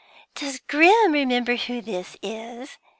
"Does Grim remember who this is?